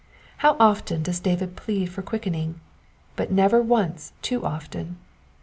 How often does David plead for quickening I But never once too often.